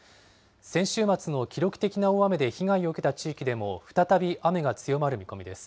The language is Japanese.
先週末の記録的な大雨で被害を受けた地域でも、再び雨が強まる見込みです。